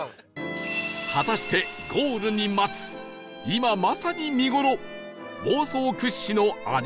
果たしてゴールに待つ今まさに見頃房総屈指のあじさいの絶景と